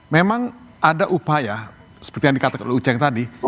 memang ada upaya seperti yang dikatakan oleh uceng tadi